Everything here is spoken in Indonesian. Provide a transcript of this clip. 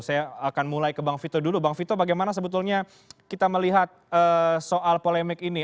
saya akan mulai ke bang vito dulu bang vito bagaimana sebetulnya kita melihat soal polemik ini